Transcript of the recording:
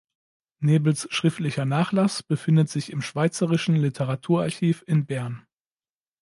Nebels schriftlicher Nachlass befindet sich im Schweizerischen Literaturarchiv in Bern.